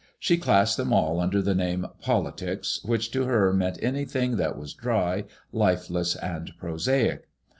She classed them all under the name politics, which to her meant everything that was dry, lifeless, and prosaic.